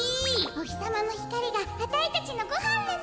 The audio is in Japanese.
おひさまのひかりがあたいたちのごはんレナ。